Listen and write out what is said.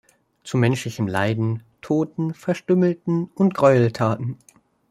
Zu menschlichem Leiden, Toten, Verstümmelten und Gräueltaten.